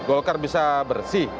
golkar bisa bersih